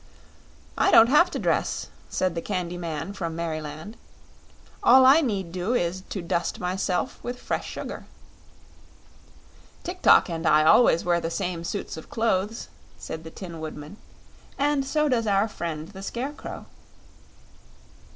"I don't have to dress," said the Candy Man from Merryland. "All I need do is to dust myself with fresh sugar." "Tik tok always wears the same suits of clothes," said the Tin Woodman; "and so does our friend the Scarecrow."